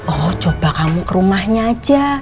oh coba kamu ke rumahnya aja